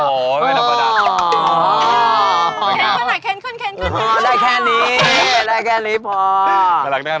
โอ้โหไม่น้ำประดาน